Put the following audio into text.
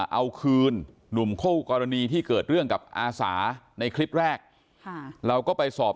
เอาคืนหนุ่มโค้กกรณีที่เกิดเรื่องกับอาสาในคลิปแรก